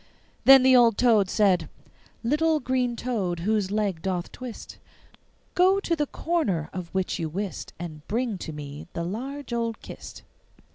Then the old toad said: 'Little green toad whose leg doth twist, Go to the corner of which you wist, And bring to me the large old kist.